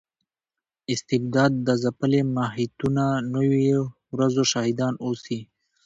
استبداد ځپلي محیطونه نویو ورځو شاهدان اوسي.